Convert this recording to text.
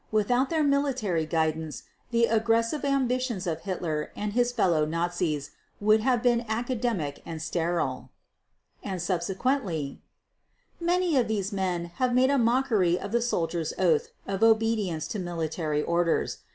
Without their military guidance the aggressive ambitions of Hitler and his fellow Nazis would have been academic and sterile ...." And subsequently: "Many of these men have made a mockery of the soldier's oath of obedience to military orders.